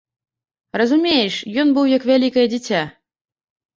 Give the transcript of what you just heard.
Разумееш, ён быў як вялікае дзіця.